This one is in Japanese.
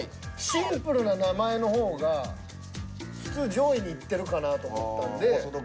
シンプルな名前の方が普通上位にいってるかなと思ったんで。